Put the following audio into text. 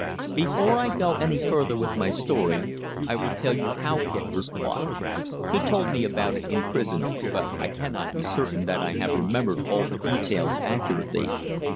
Before I go any farther with my story, I will tell you how Kicq was caught. He told me about it in prison, but I cannot be certain that I have remembered all the details accurately.